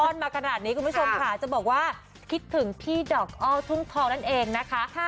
อนมาขนาดนี้คุณผู้ชมค่ะจะบอกว่าคิดถึงพี่ดอกอ้อทุ่งทองนั่นเองนะคะ